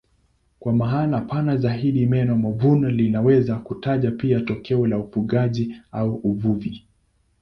Kwa maana pana zaidi neno mavuno linaweza kutaja pia tokeo la ufugaji au uvuvi.